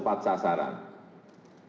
yang merupakan uang rakyat harus tepat sasaran